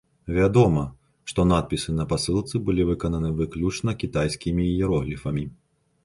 Вядома, што надпісы на пасылцы былі выкананы выключна кітайскімі іерогліфамі.